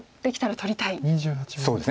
取りたいんですね。